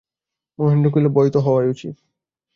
মহেন্দ্র কহিল, ভয় তো হওয়াই উচিত।